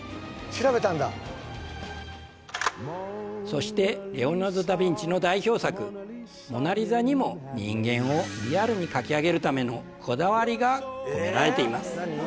そしてレオナルド・ダ・ヴィンチの代表作「モナ・リザ」にも人間をリアルに描き上げるためのこだわりが込められています